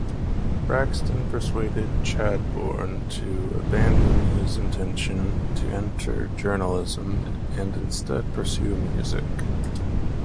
Braxton persuaded Chadbourne to abandon his intention to enter journalism and instead pursue music.